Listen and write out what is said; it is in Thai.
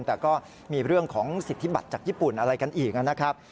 แต่ก็มีเรื่องของสิทธิบัตรจากญี่ปุ่นอะไรกันอีกนะครับ